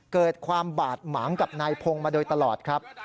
เกิดความบาดหมางกับนายพงศ์มาโดยตลอดครับ